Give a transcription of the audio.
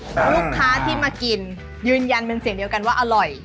ลูกค้าที่มากินยืนยันเป็นเสียงเดียวกันว่าอร่อย